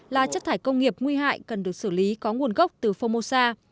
là chất thải công nghiệp nguy hại cần được xử lý có nguồn gốc từ phô mô sa